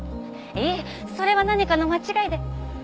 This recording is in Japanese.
いえそれは何かの間違いで。